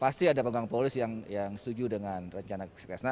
pasti ada pegang polis yang setuju dengan rencana